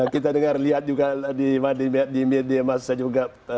kita dengar lihat juga di media masa juga